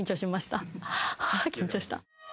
あ緊張した。